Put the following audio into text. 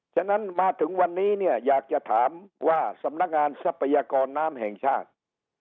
ฉะนั้นมาถึงวันนี้เนี่ยอยากจะถามว่าสำนักงานทรัพยากรน้ำแห่งชาติ